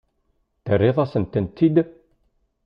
Terriḍ-asen-tent-id?